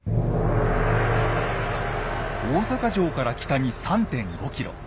大阪城から北に３．５ｋｍ。